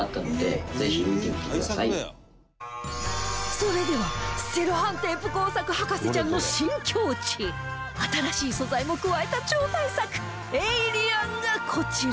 それではセロハンテープ工作博士ちゃんの新境地新しい素材も加えた超大作エイリアンがこちら